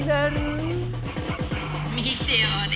見ておれ